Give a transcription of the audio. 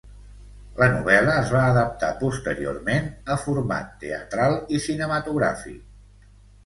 La novel·la es va adaptar posteriorment a format teatral i cinematogràfic.